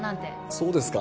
そうですか？